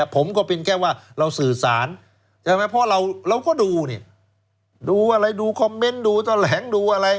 ผมก็เป็นแค่ว่าเราสื่อสารใช่ไหมเพราะเราก็ดูนี่ดูอะไรดูคอมเมนต์ดูแถลงดูอะไร